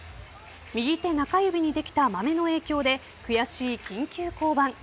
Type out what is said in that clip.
右手中指にできたまめの影響で悔しい緊急降板。